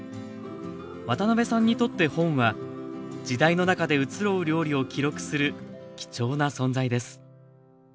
渡辺さんにとって本は時代の中でうつろう料理を記録する貴重な存在です